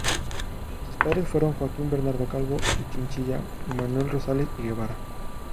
Sus padres fueron Joaquín Bernardo Calvo y Chinchilla y Manuel Rosales y Guevara.